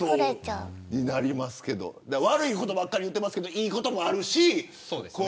悪いことばかり言ってますけどいいこともあるし。